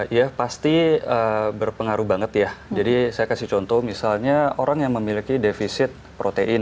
ya pasti berpengaruh banget ya jadi saya kasih contoh misalnya orang yang memiliki defisit protein